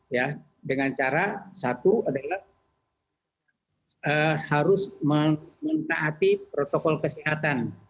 ya dengan cara satu adalah harus menaati protokol kesehatan